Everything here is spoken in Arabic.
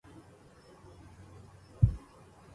تعرض للرئيس أبي علي